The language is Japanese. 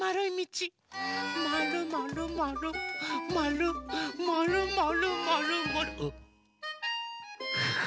まるまるまるまるまるまるまるまるあっ。